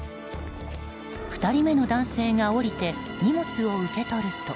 ２人目の男性が下りて荷物を受け取ると。